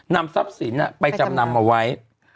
นำทรัพย์สินไปจำนำเอาไว้